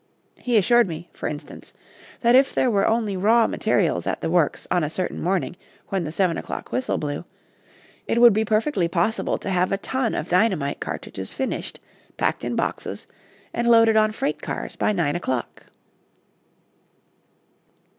He assured me, for instance, that if there were only raw materials at the works on a certain morning when the seven o'clock whistle blew, it would be perfectly possible to have a ton of dynamite cartridges finished, packed in boxes, and loaded on freight cars by nine o'clock.